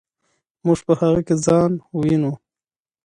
موږ په هغه کې ځان وینو.